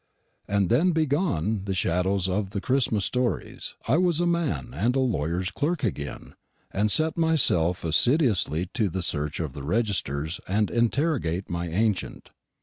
And then "being gone" the shadows of the Christmas stories, I was a man and a lawyer's clerk again, and set myself assiduously to search the registers and interrogate my ancient.